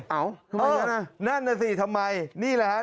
อ๋อทำไมนะนั่นน่ะสิทำไมนี่แหละนะครับ